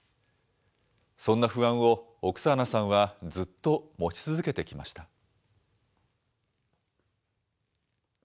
そんな不安をオクサーナさんは、ずっと持ち続けてきました。